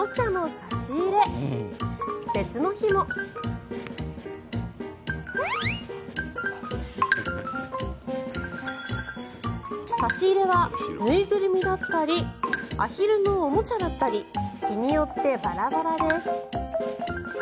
差し入れは縫いぐるみだったりアヒルのおもちゃだったり日によってバラバラです。